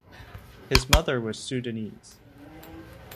His mother was Sudanese.